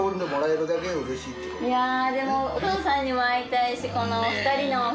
いやでもお父さんにも会いたいしこのお二人の人柄がいいから。